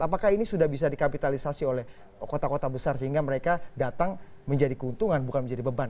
apakah ini sudah bisa dikapitalisasi oleh kota kota besar sehingga mereka datang menjadi keuntungan bukan menjadi beban